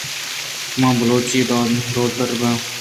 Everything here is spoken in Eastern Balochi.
من بلوچی وَ دربُرت